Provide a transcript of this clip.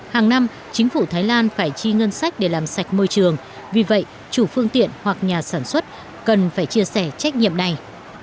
hàng năm chính phủ thái lan phải chi ngân sách để làm sạch môi trường vì vậy chủ phương tiện hoặc nhà sản xuất cần phải chia sẻ trách nhiệm này